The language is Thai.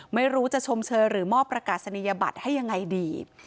ไม่รู้จะชมเชยหรือมอบประกาศนียบัตรให้ยังไงดี